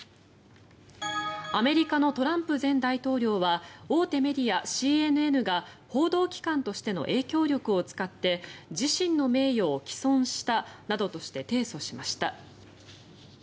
アメリカのトランプ前大統領は大手メディアＣＮＮが報道機関としての影響力を使って自身の名誉を毀損したなどとして提訴しました。